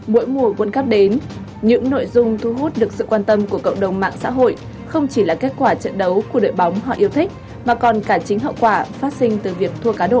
mỗi mùa world cắp đến những nội dung thu hút được sự quan tâm của cộng đồng mạng xã hội không chỉ là kết quả trận đấu của đội bóng họ yêu thích mà còn cả chính hậu quả phát sinh từ việc thua cá độ